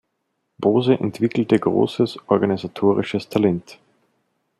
Bose entwickelte großes organisatorisches Talent.